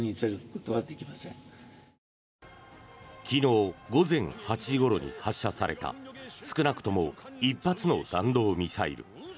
昨日午前８時ごろに発射された少なくとも１発の弾道ミサイル。